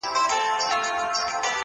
• بس ده د خداى لپاره زړه مي مه خوره؛